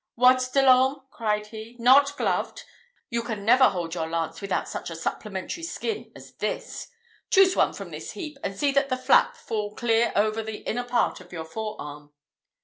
"What, De l'Orme," cried he, "not gloved! You can never hold your lance without such a supplementary skin as this. Choose one from this heap; and see that the flap fall clear over the inner part of your fore arm."